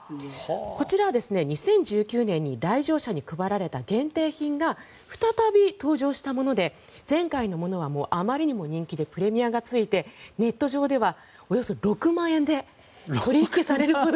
こちらは２０１９年に来場者に配られた限定品が再び登場したもので前回のものはあまりにも人気でプレミアがついてネット上ではおよそ６万円で取引されるほど。